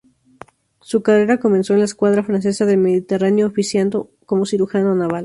Su carrera comenzó en la escuadra francesa del Mediterráneo, oficiando como cirujano naval.